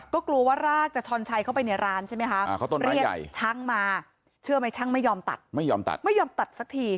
ก็กลัวว่ารากจะชอนชัยเข้าไปในร้านใช่ไหมคะเรียกช่างมาเชื่อไหมช่างไม่ยอมตัด